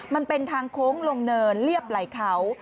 มันเป็นทางโค้งลงเนินเรียบไหล่เขา